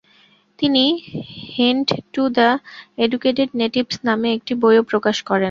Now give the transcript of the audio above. তিনি "hint to the educated natives" নামে একটি বইও প্রকাশ করেন।